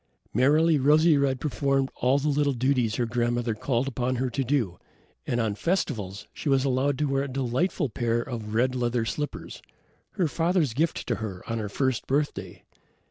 Merrily Rosy red performed all the little duties her grandmother called upon her to do, and on festivals she was allowed to wear a delightful pair of red leather slippers, her father's gift to her on her first birthday.